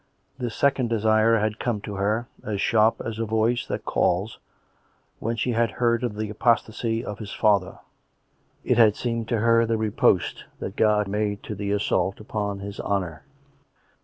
This second desire had come to her, as sharp as a voice that calls, when she had heard of the apostasy of his 130 COME RACK! COME ROPE! 121 father; it had seemed to her the riposte that God made to the assault upon His honour.